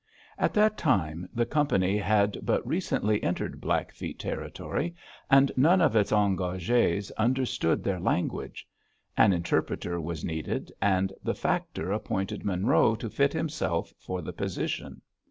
At that time the Company had but recently entered Blackfeet territory, and none of its engagés understood their language; an interpreter was needed, and the Factor appointed Monroe to fit himself for the position.